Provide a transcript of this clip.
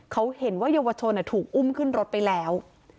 เขาเห็นว่าเยาวชนถูกอุ้มขึ้นรถไปแล้ว